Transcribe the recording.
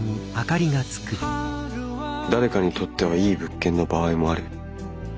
誰かにとってはいい物件の場合もある。